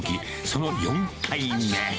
その４回目。